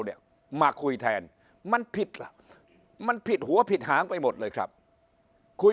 เนี่ยมาคุยแทนมันผิดล่ะมันผิดหัวผิดหางไปหมดเลยครับคุย